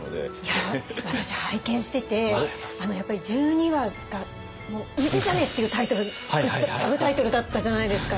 私拝見しててやっぱり１２話が「氏真」っていうサブタイトルだったじゃないですか。